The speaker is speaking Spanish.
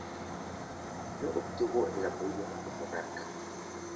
No obtuvo el apoyo del monarca.